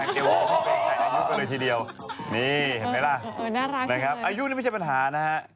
น่ารักเลยนี่ครับอายุนี่ไม่ใช่ปัญหานะฮะ